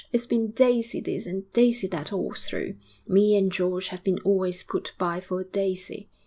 It's been Daisy this and Daisy that all through. Me and George have been always put by for Daisy.